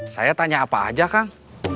saya tanya apa aja kang